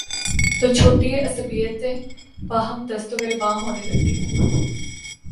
تو چھوٹی عصبیتیں باہم دست وگریباں ہونے لگتی ہیں۔